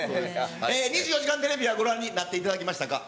２４時間テレビは、ご覧になっていただけましたか？